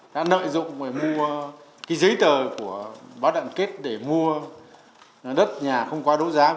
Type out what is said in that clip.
đã nợ dụng để mua giấy tờ của báo đại đoàn kết để mua đất nhà không qua đối giá